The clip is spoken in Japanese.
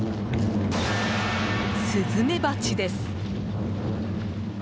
スズメバチです。